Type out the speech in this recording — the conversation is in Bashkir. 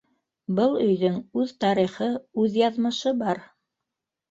Был өйҙөң үҙ тарихы, үҙ яҙмышы бар.